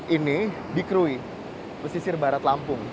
ini di krui pesisir barat lampung